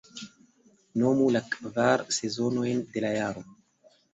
Nomu la kvar sezonojn de la jaro.